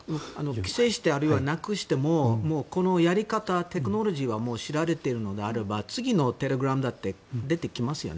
規制してあるいはなくしてもこのやり方、テクノロジーはもう知られているのであれば次のテレグラムだって出てきますよね。